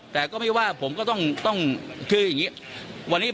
แต่ก็ไม่ว่าผมก็ต้องคืออย่างนี้